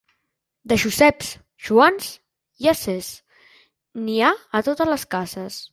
De Joseps, Joans i ases, n'hi ha a totes les cases.